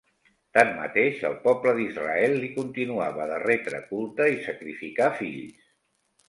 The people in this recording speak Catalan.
Tanmateix, el poble d'Israel li continuava de retre culte i sacrificar fills.